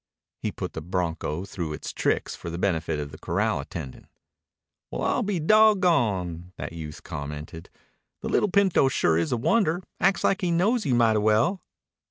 He put the bronco through its tricks for the benefit of the corral attendant. "Well, I'll be doggoned," that youth commented. "The little pinto sure is a wonder. Acts like he knows you mighty well."